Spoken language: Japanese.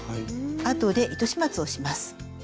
あとで糸始末をします。